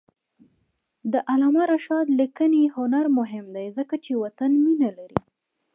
د علامه رشاد لیکنی هنر مهم دی ځکه چې وطن مینه لري.